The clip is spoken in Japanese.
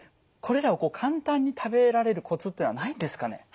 これらを簡単に食べられるコツっていうのはないんですかね。